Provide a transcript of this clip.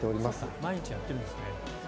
毎日やってるんですね。